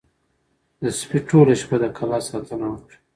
د سپي ټوله شپه د کلا ساتنه وکړه.